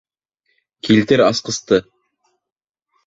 Килтер асҡысты!